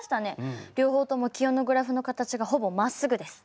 両方とも気温のグラフの形がほぼまっすぐです。